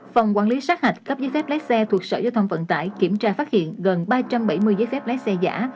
phòng quản lý sát hạch cấp giấy phép lái xe thuộc sở giao thông vận tải kiểm tra phát hiện gần ba trăm bảy mươi giấy phép lái xe giả